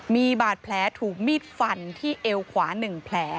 มีบาดแผลถูกมีดฟันที่เอวขวา๑แผล